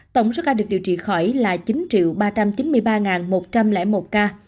tổng số ca được điều trị khỏi là chín ba trăm chín mươi ba một trăm linh một ca